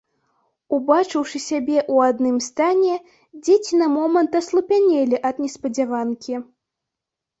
Убачыўшы сябе ў адным стане, дзеці на момант аслупянелі ад неспадзяванкі.